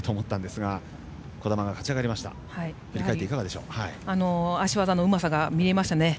やはり、足技のうまさが見られましたね。